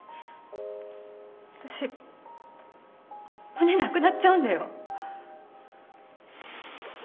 私胸なくなっちゃうんだよ？